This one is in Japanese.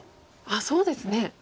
あっそうですね。